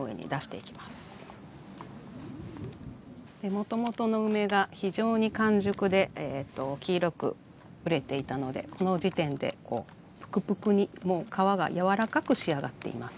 もともとの梅が非常に完熟で黄色く熟れていたのでこの時点でプクプクにもう皮が柔らかく仕上がっています。